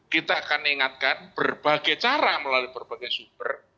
kita akan ingatkan berbagai cara melalui berbagai sumber